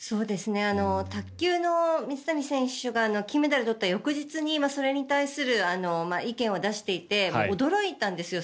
卓球の水谷選手が金メダルを取った翌日にそれに対する意見を出していて驚いたんですよ。